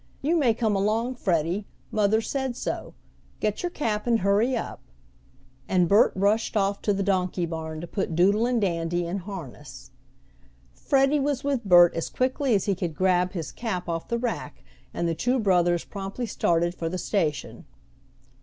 You may come along, Freddie, mother said so. Get your cap and hurry up," and Bert rushed off to the donkey barn to put Doodle and Dandy in harness. Freddie was with Bert as quickly as he could grab his cap off the rack, and the two brothers promptly started for the station.